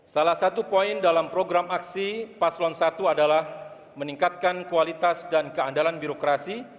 salah satu poin dalam program aksi paslon satu adalah meningkatkan kualitas dan keandalan birokrasi